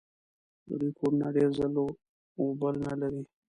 د دوی کورونه ډېر ځل و بل نه لري.